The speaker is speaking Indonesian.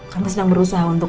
kami sedang berusaha untuk